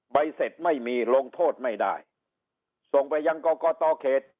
ใบเสร็จไม่มีลงโทษไม่ได้ส่งไปยังกรกตเขต